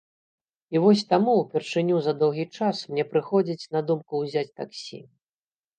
І вось таму ўпершыню за доўгі час мне прыходзіць на думку ўзяць таксі.